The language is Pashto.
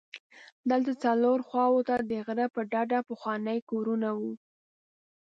دلته څلورو خواوو ته د غره په ډډه پخواني کورونه وو.